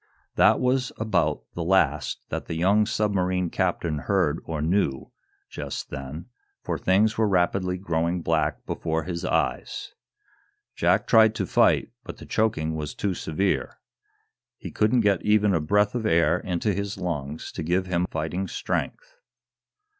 That was about the last that the young submarine captain heard or knew, just then, for things were rapidly growing black before his eyes. Jack tried to fight, but the choking was too severe. He couldn't get even a breath of air into his lungs to give him fighting strength.